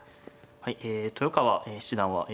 はいえ豊川七段は